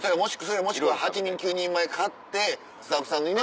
もしくは８人９人前買ってスタッフさんにね。